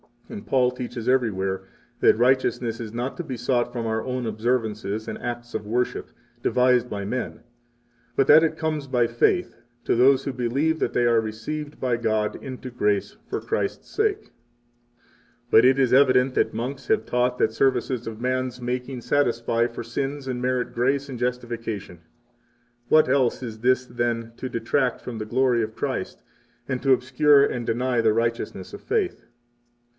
And Paul teaches everywhere that righteousness is not to be sought from our own observances and acts of worship, devised by men, but that it comes by faith to those who believe that they are received by God into grace for Christ's sake. 38 But it is evident that monks have taught that services of man's making satisfy for sins and merit grace and justification. What else is this than to detract from the glory of Christ and to obscure and deny the righteousness of faith?